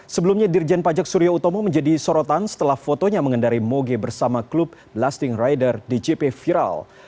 sebelumnya dirjen pajak surya utomo menjadi sorotan setelah fotonya mengendari moge bersama klub lasting rider di jp viral